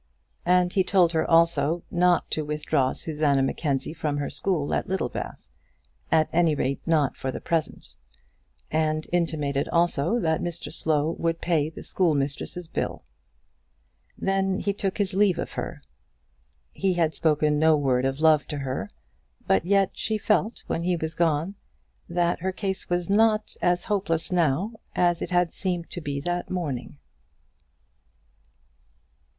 And he told her also not to withdraw Susanna Mackenzie from her school at Littlebath at any rate, not for the present; and intimated also that Mr Slow would pay the schoolmistress's bill. Then he took his leave of her. He had spoken no word of love to her; but yet she felt, when he was gone, that her case was not as hopeless now as it had seemed to be that morning.